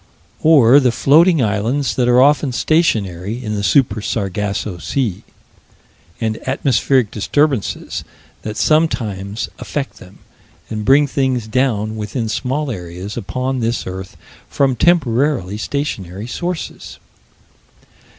Or the floating islands that are often stationary in the Super Sargasso Sea; and atmospheric disturbances that sometimes affect them, and bring things down within small areas, upon this earth, from temporarily stationary sources.